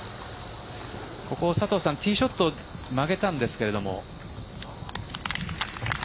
ここはティーショット曲げたんですけれども。